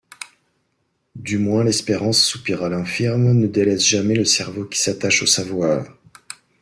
Du moins l'espérance, soupira l'infirme, ne délaisse jamais le cerveau qui s'attache au savoir.